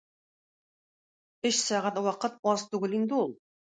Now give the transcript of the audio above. Өч сәгать вакыт аз түгел инде ул.